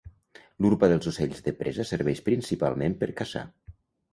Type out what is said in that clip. L'urpa dels ocells de presa serveix principalment per caçar.